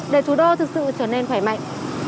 để thủ đô thực sự trở nên khỏe mạnh